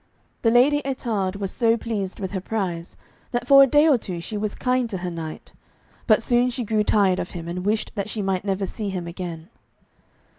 The Lady Ettarde was so pleased with her prize, that for a day or two she was kind to her knight, but soon she grew tired of him, and wished that she might never see him again.